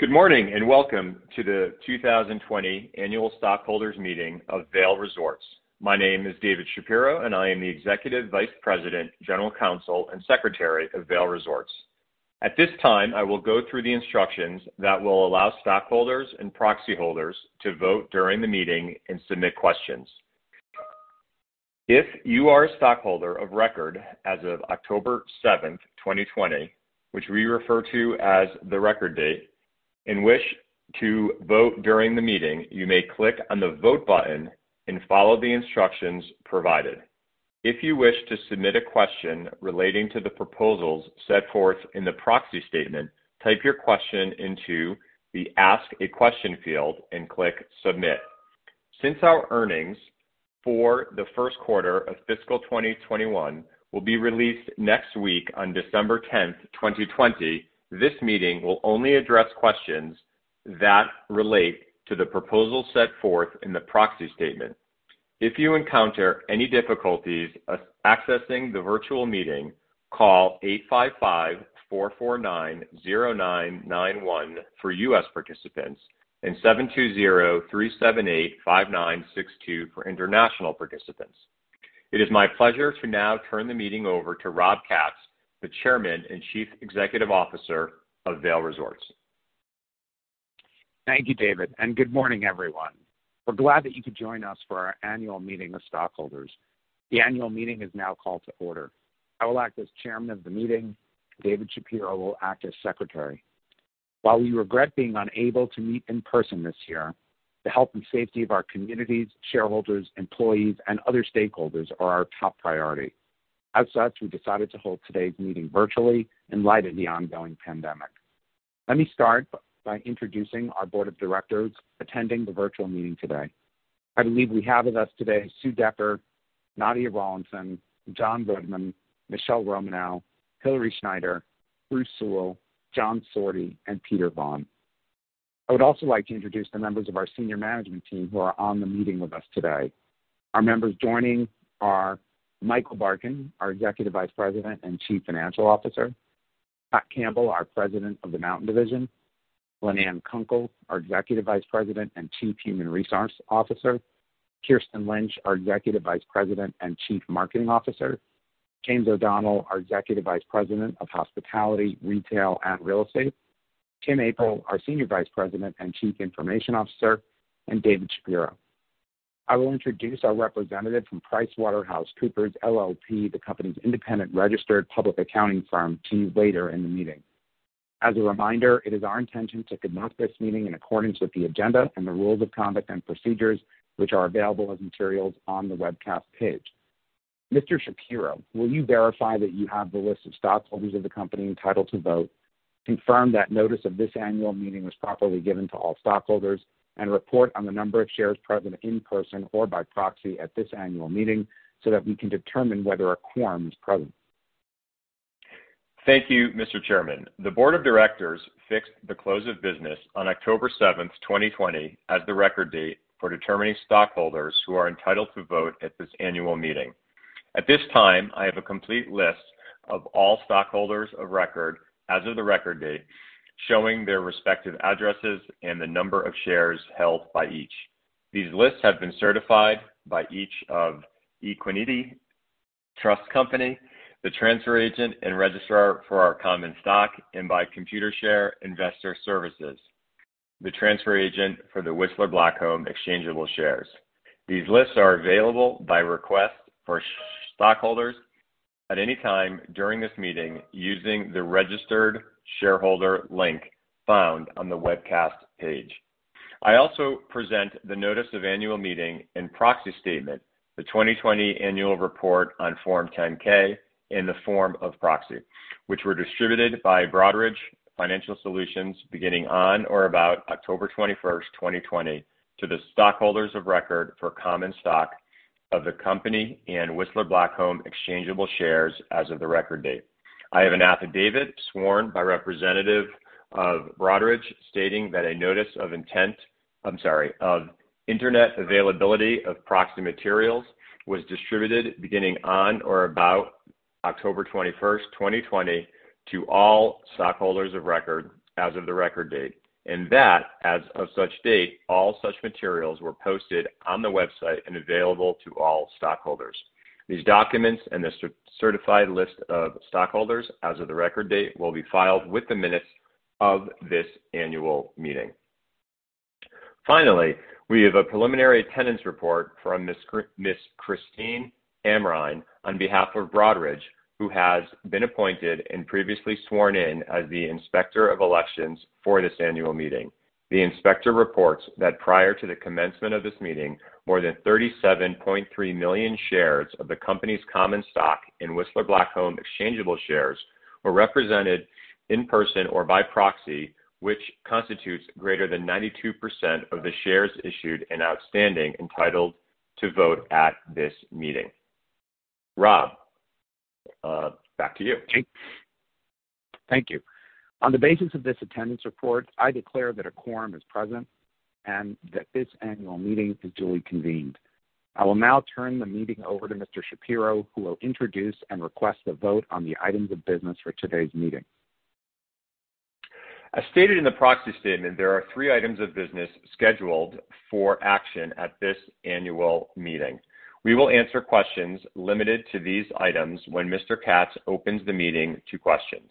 Good morning and welcome to the 2020 Annual Stockholders Meeting of Vail Resorts. My name is David Shapiro, and I am the Executive Vice President, General Counsel, and Secretary of Vail Resorts. At this time, I will go through the instructions that will allow stockholders and proxy holders to vote during the meeting and submit questions. If you are a stockholder of record as of October 7, 2020, which we refer to as the record date, and wish to vote during the meeting, you may click on the Vote button and follow the instructions provided. If you wish to submit a question relating to the proposals set forth in the proxy statement, type your question into the Ask a Question field and click Submit. Since our earnings for the first quarter of Fiscal 2021 will be released next week on December 10, 2020, this meeting will only address questions that relate to the proposals set forth in the proxy statement. If you encounter any difficulties accessing the virtual meeting, call 855-449-0991 for U.S. participants and 720-378-5962 for international participants. It is my pleasure to now turn the meeting over to Rob Katz, the Chairman and Chief Executive Officer of Vail Resorts. Thank you, David, and good morning, everyone. We're glad that you could join us for our annual meeting of stockholders. The annual meeting is now called to order. I will act as Chairman of the meeting. David Shapiro will act as Secretary. While we regret being unable to meet in person this year, the health and safety of our communities, shareholders, employees, and other stakeholders are our top priority. As such, we decided to hold today's meeting virtually in light of the ongoing pandemic. Let me start by introducing our Board of Directors attending the virtual meeting today. I believe we have with us today Sue Decker, Nadia Rawlinson, John Redmond, Michele Romanow, Hillary Schneider, Bruce Sewell, John Sorte, and Peter Vaughn. I would also like to introduce the members of our senior management team who are on the meeting with us today. Our members joining are Michael Barkin, our Executive Vice President and Chief Financial Officer, Pat Campbell, our President of the Mountain Division, Lynanne Kunkel, our Executive Vice President and Chief Human Resource Officer, Kirsten Lynch, our Executive Vice President and Chief Marketing Officer, James O'Donnell, our Executive Vice President of Hospitality, Retail, and Real Estate, Tim April, our Senior Vice President and Chief Information Officer, and David Shapiro. I will introduce our representative from PricewaterhouseCoopers LLP, the company's independent registered public accounting firm, to you later in the meeting. As a reminder, it is our intention to conduct this meeting in accordance with the agenda and the rules of conduct and procedures, which are available as materials on the webcast page. Mr. Shapiro, will you verify that you have the list of stockholders of the company entitled to vote, confirm that notice of this annual meeting was properly given to all stockholders, and report on the number of shares present in person or by proxy at this annual meeting so that we can determine whether a quorum is present? Thank you, Mr. Chairman. The Board of Directors fixed the close of business on October 7, 2020, as the record date for determining stockholders who are entitled to vote at this annual meeting. At this time, I have a complete list of all stockholders of record as of the record date, showing their respective addresses and the number of shares held by each. These lists have been certified by each of Equiniti Trust Company, the transfer agent and registrar for our common stock, and by Computershare Investor Services, the transfer agent for the Whistler Blackcomb Exchangeable Shares. These lists are available by request for stockholders at any time during this meeting using the registered shareholder link found on the webcast page. I also present the notice of annual meeting and proxy statement, the 2020 Annual Report on Form 10-K in the form of proxy, which were distributed by Broadridge Financial Solutions beginning on or about October 21, 2020, to the stockholders of record for common stock of the company and Whistler Blackcomb Exchangeable Shares as of the record date. I have an affidavit sworn by Representative of Broadridge stating that a notice of intent. I'm sorry, of internet availability of proxy materials was distributed beginning on or about October 21, 2020, to all stockholders of record as of the record date, and that as of such date, all such materials were posted on the website and available to all stockholders. These documents and the certified list of stockholders as of the record date will be filed with the minutes of this annual meeting. Finally, we have a preliminary attendance report from Ms. Christine Amrein on behalf of Broadridge, who has been appointed and previously sworn in as the Inspector of Elections for this annual meeting. The inspector reports that prior to the commencement of this meeting, more than 37.3 million shares of the company's common stock and Whistler Blackcomb Exchangeable Shares were represented in person or by proxy, which constitutes greater than 92% of the shares issued and outstanding entitled to vote at this meeting. Rob, back to you. Thank you. On the basis of this attendance report, I declare that a quorum is present and that this annual meeting is duly convened. I will now turn the meeting over to Mr. Shapiro, who will introduce and request the vote on the items of business for today's meeting. As stated in the proxy statement, there are three items of business scheduled for action at this annual meeting. We will answer questions limited to these items when Mr. Katz opens the meeting to questions.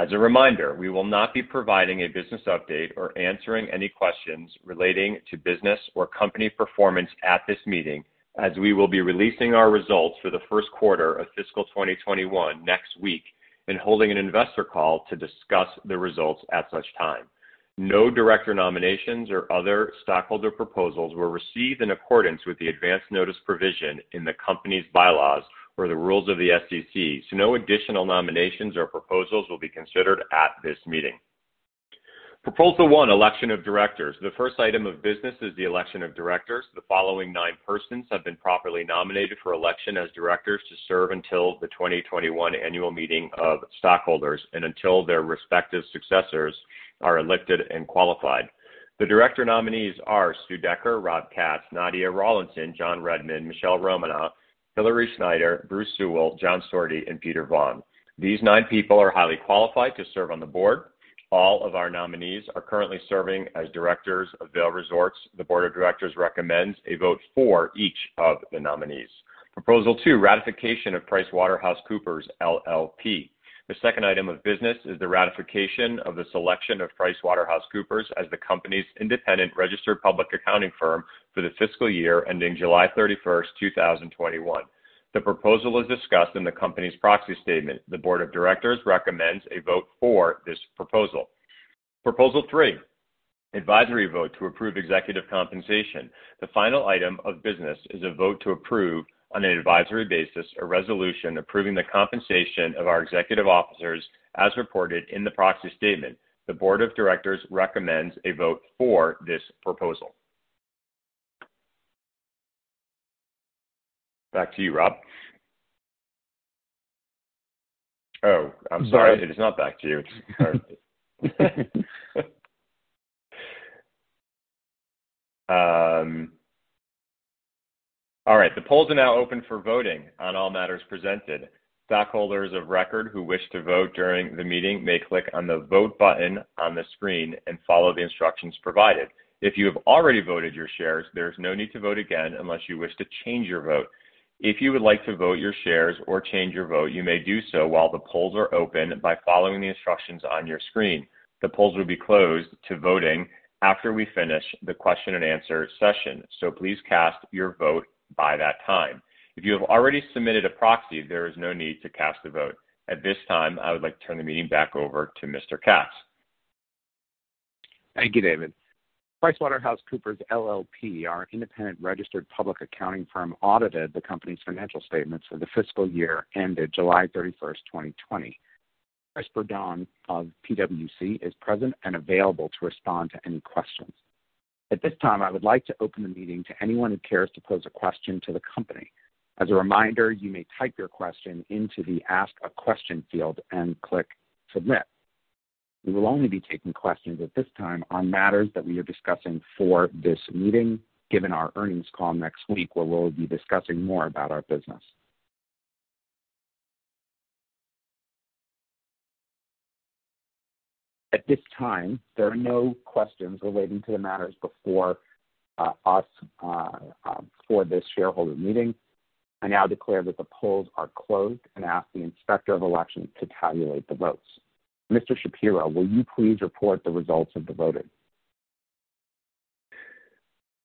As a reminder, we will not be providing a business update or answering any questions relating to business or company performance at this meeting, as we will be releasing our results for the first quarter of fiscal 2021 next week and holding an investor call to discuss the results at such time. No director nominations or other stockholder proposals were received in accordance with the advance notice provision in the company's bylaws or the rules of the SEC, so no additional nominations or proposals will be considered at this meeting. Proposal 1, election of directors. The first item of business is the election of directors. The following nine persons have been properly nominated for election as directors to serve until the 2021 annual meeting of stockholders and until their respective successors are elected and qualified. The director nominees are Sue Decker, Rob Katz, Nadia Rawlinson, John Redmond, Michele Romanow, Hillary Schneider, Bruce Sewell, John Sorte, and Peter Vaughn. These nine people are highly qualified to serve on the board. All of our nominees are currently serving as directors of Vail Resorts. The Board of Directors recommends a vote for each of the nominees. Proposal 2, ratification of PricewaterhouseCoopers LLP. The second item of business is the ratification of the selection of PricewaterhouseCoopers as the company's independent registered public accounting firm for the fiscal year ending July 31, 2021. The proposal is discussed in the company's proxy statement. The Board of Directors recommends a vote for this proposal. Proposal 3, advisory vote to approve executive compensation. The final item of business is a vote to approve on an advisory basis a resolution approving the compensation of our executive officers as reported in the Proxy Statement. The Board of Directors recommends a vote for this proposal. Back to you, Rob. Oh, I'm sorry. It is not back to you. All right. The polls are now open for voting on all matters presented. Stockholders of record who wish to vote during the meeting may click on the Vote button on the screen and follow the instructions provided. If you have already voted your shares, there is no need to vote again unless you wish to change your vote. If you would like to vote your shares or change your vote, you may do so while the polls are open by following the instructions on your screen. The polls will be closed to voting after we finish the question and answer session, so please cast your vote by that time. If you have already submitted a proxy, there is no need to cast a vote. At this time, I would like to turn the meeting back over to Mr. Katz. Thank you, David. PricewaterhouseCoopers LLP, our independent registered public accounting firm, audited the company's financial statements for the fiscal year ended July 31, 2020. Christopher Doan of PwC is present and available to respond to any questions. At this time, I would like to open the meeting to anyone who cares to pose a question to the company. As a reminder, you may type your question into the Ask a Question field and click Submit. We will only be taking questions at this time on matters that we are discussing for this meeting, given our earnings call next week where we'll be discussing more about our business. At this time, there are no questions relating to the matters before us for this shareholder meeting. I now declare that the polls are closed and ask the Inspector of Elections to tabulate the votes. Mr. Shapiro, will you please report the results of the voting?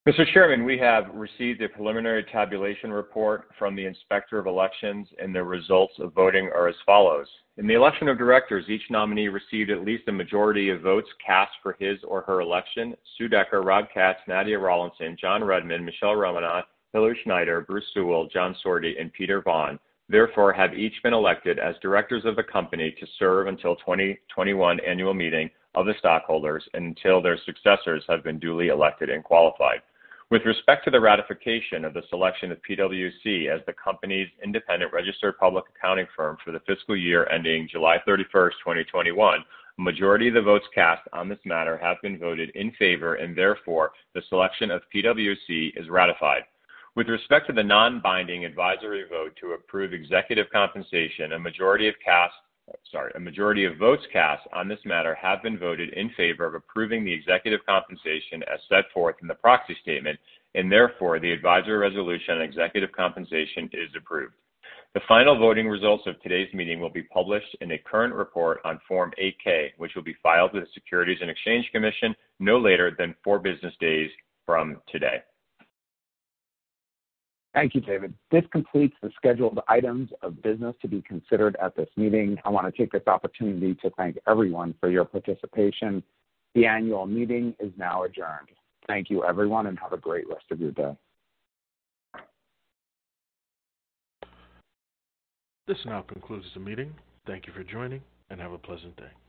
Mr. Chairman, we have received a preliminary tabulation report from the Inspector of Elections, and the results of voting are as follows. In the election of directors, each nominee received at least a majority of votes cast for his or her election: Sue Decker, Rob Katz, Nadia Rawlinson, John Redmond, Michele Romanow, Hillary Schneider, Bruce Sewell, John Sorte, and Peter Vaughn. Therefore, have each been elected as directors of the company to serve until the 2021 annual meeting of the stockholders and until their successors have been duly elected and qualified. With respect to the ratification of the selection of PwC as the company's independent registered public accounting firm for the fiscal year ending July 31, 2021, a majority of the votes cast on this matter have been voted in favor, and therefore, the selection of PWC is ratified. With respect to the non-binding advisory vote to approve executive compensation, a majority of votes cast on this matter have been voted in favor of approving the executive compensation as set forth in the proxy statement, and therefore, the advisory resolution on executive compensation is approved. The final voting results of today's meeting will be published in a current report on Form 8-K, which will be filed with the Securities and Exchange Commission no later than four business days from today. Thank you, David. This completes the scheduled items of business to be considered at this meeting. I want to take this opportunity to thank everyone for your participation. The annual meeting is now adjourned. Thank you, everyone, and have a great rest of your day. This now concludes the meeting. Thank you for joining, and have a pleasant day.